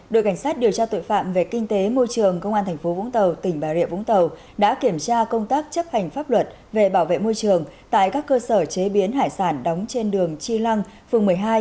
đội cảnh sát điều tra tội phạm về kinh tế môi trường công an tp vũng tàu tỉnh bà rịa vũng tàu đã kiểm tra công tác chấp hành pháp luật về bảo vệ môi trường tại các cơ sở chế biến hải sản đóng trên đường chi lăng phường một mươi hai